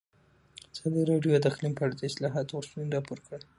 ازادي راډیو د اقلیم په اړه د اصلاحاتو غوښتنې راپور کړې.